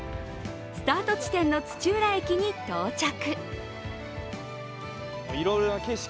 スタート地点の土浦駅に到着。